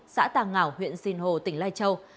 xã tàng ngảo huyện sinh hồ tỉnh lai châu